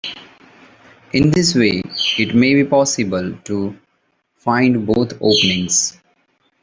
In this way, it may be possible to find both openings.